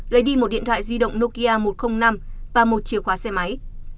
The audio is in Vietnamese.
lấy đi một điện thoại di động nokia một trăm linh năm và một chìa khóa xe máy